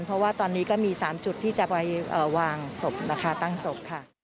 เพราะว่าตอนนี้ก็มี๓จุดที่จะไปวางศพนะคะตั้งศพค่ะ